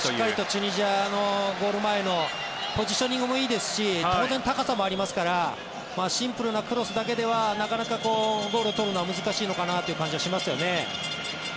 チュニジアのゴール前のポジショニングもいいですし当然、高さもありますからシンプルなクロスだけではなかなかゴールを取るのは難しいのかなという感じがしますよね。